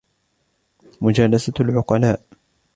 مُجَالَسَةُ الْعُقَلَاءِ